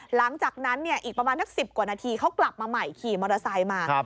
หลังจากนั้นอีกประมาณสัก๑๐กว่านาทีเขากลับมาใหม่ขี่มอเตอร์ไซค์มา